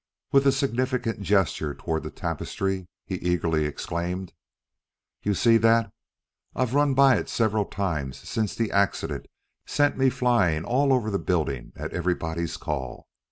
With a significant gesture toward the tapestry, he eagerly exclaimed: "You see that? I've run by it several times since the accident sent me flying all over the building at everybody's call.